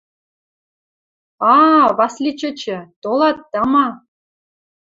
А-а, Васли чӹчӹ, толат, тама?